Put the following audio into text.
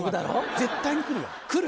絶対に来るよ。来る？